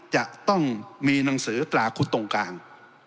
จะต้องมีหนังสือตราคุดตรงกลาง